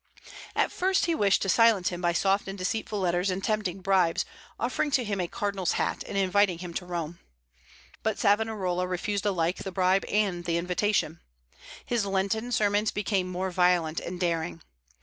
At first he wished to silence him by soft and deceitful letters and tempting bribes, offering to him a cardinal's hat, and inviting him to Rome. But Savonarola refused alike the bribe and the invitation. His Lenten sermons became more violent and daring.